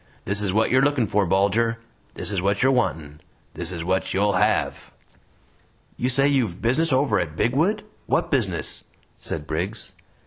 This is wot you're lookin' for, Bulger this is wot you're wantin' this is wot YOU'LL HEV!'" "You say you've business over at Bigwood. What business?" said Briggs.